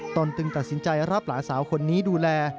ตนจึงตัดสินใจรับหลานสาวคนนี้ดูแล